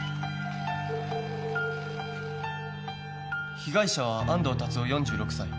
被害者は安藤達雄４６歳。